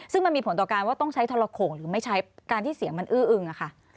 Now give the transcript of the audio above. ซึ่งมันมีผลต่อการว่าต้องใช้ทรโขงหรือไม่ใช้การที่เสียงมันอื้ออึงอะค่ะ